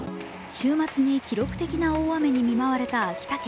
週末に記録的な大雨に見舞われた秋田県。